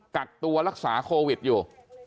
กักตัวรักษาโควิดอยู่